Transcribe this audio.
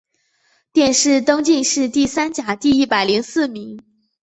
殿试登进士第三甲第一百零四名。